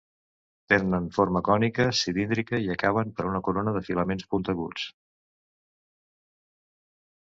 Tenen forma cònica, cilíndrica i acaben per una corona de filaments punteguts.